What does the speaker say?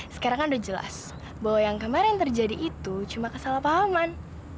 sekarang kan udah jelas bahwa yang kemarin terjadi itu cuma kesalahpahaman